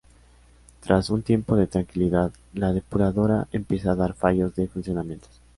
Tras un tiempo de tranquilidad, la depuradora empieza a dar fallos de funcionamientos.